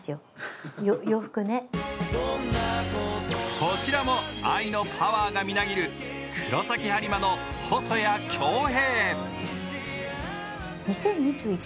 こちらも愛のパワーがみなぎる黒崎播磨の細谷恭平。